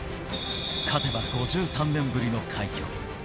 勝てば５３年ぶりの快挙。